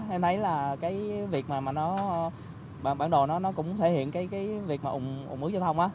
em thấy là cái việc mà nó bản đồ nó cũng thể hiện cái việc mà ủng ủng ủng giáo thông